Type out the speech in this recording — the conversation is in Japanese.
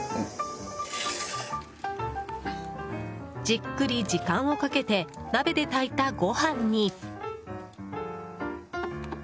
じっくり時間をかけて鍋で炊いたご飯に。